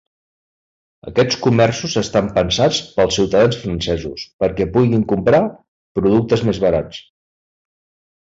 Aquests comerços estan pensats pels ciutadans francesos perquè puguin comprar productes més barats.